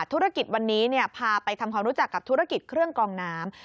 ธุรกิจวันนี้พาไปทำความรู้จักกับธุรกิจเครื่องกองน้ำ